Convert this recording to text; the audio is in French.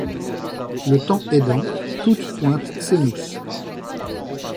Le temps aidant, toute pointe s’émousse.